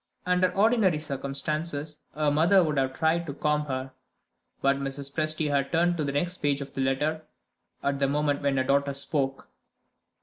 Under ordinary circumstances, her mother would have tried to calm her. But Mrs. Presty had turned to the next page of the letter, at the moment when her daughter spoke.